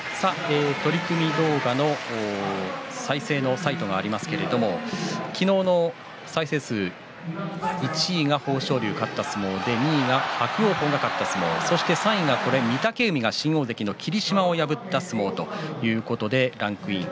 取組動画の再生のサイトがありますが昨日の再生数１位が豊昇龍が勝った相撲２位は伯桜鵬が勝った相撲そして御嶽海が霧島を破った相撲が３位にランクイン。